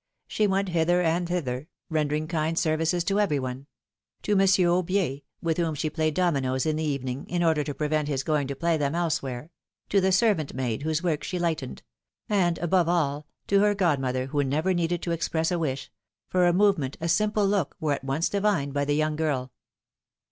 She went hither and thither, rendering kind services to every one; to Monsieur Aubier, with whom she played dominos in the evening, in order to prevent his going to play them elsewhere ; to the servant maid, whose work she lightened ; and, above all, to her god mother, who never needed to express a wish ; for a move ment, a simple look, were at once divined by the young girl.